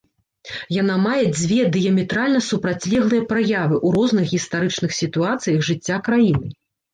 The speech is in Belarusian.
Яна мае дзве дыяметральна супрацьлеглыя праявы ў розных гістарычных сітуацыях жыцця краіны.